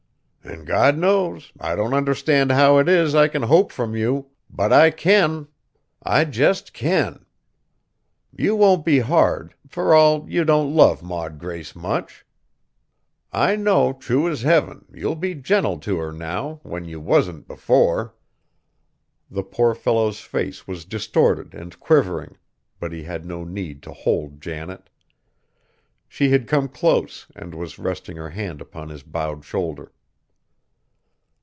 An' God knows, I don't understand how it is I kin hope from you; but I kin! I jest kin! You won't be hard, fur all you don't love Maud Grace much. I know true as heaven, you'll be gentle t' her now, when you wasn't before!" The poor fellow's face was distorted and quivering, but he had no need to hold Janet. She had come close and was resting her hand upon his bowed shoulder.